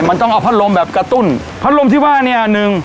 มันต้องเอาพัดลมแบบกระตุ้นพัดลมที่ว่าเนี่ยหนึ่ง